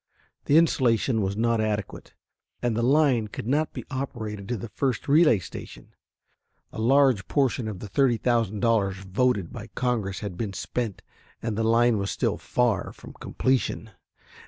The insulation was not adequate, and the line could not be operated to the first relay station. A large portion of the $30,000 voted by Congress had been spent and the line was still far from completion.